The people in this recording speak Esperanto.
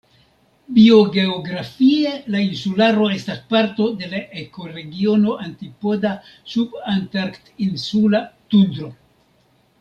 Biogeografie la insularo estas parto de la ekoregiono "antipoda-subantarktinsula tundro".